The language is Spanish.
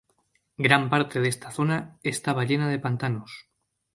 Gran parte de esta zona estaba llena de pantanos.